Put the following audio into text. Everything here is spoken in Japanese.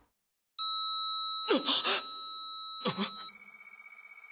あっ！